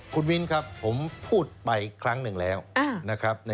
คุณวินครับผมพูดไปครั้งหนึ่งแล้วนะครับ